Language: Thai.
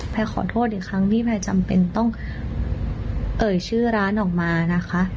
ขอโทษอีกครั้งที่แพลจำเป็นต้องเอ่ยชื่อร้านออกมานะคะ